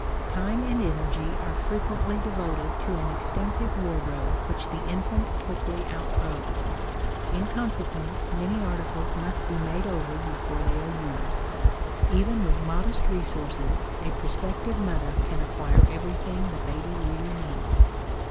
Time and energy are frequently devoted to an extensive wardrobe which the infant quickly outgrows; in consequence many articles must be made over before they are used. Even with modest resources a prospective mother can acquire everything the baby really needs.